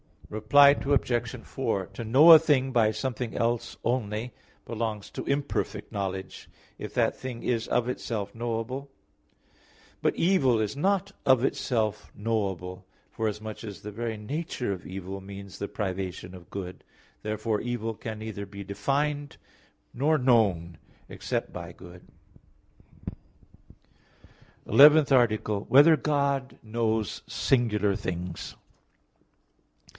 Reply Obj. 4: To know a thing by something else only, belongs to imperfect knowledge, if that thing is of itself knowable; but evil is not of itself knowable, forasmuch as the very nature of evil means the privation of good; therefore evil can neither be defined nor known except by good. _______________________ ELEVENTH ARTICLE [I, Q. 14, Art. 11] Whether God Knows Singular Things?